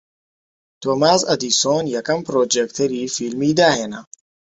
تۆماس ئەدیسۆن یەکەم پڕۆجێکتەری فیلمی داھێنا